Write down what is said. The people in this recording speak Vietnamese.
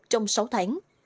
trong sáu tháng